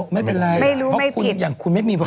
ไม่รู้ไม่ผิด